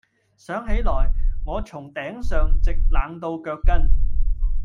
想起來，我從頂上直冷到腳跟。